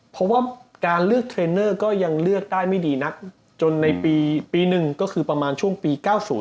เพราะว่าการเลือกเทรนเนอร์ก็ยังเลือกได้ไม่ดีนักจนในปีหนึ่งก็คือประมาณช่วงปี๙๐